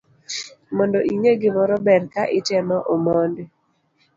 Mondo inge gimoro ber ka itemo omondi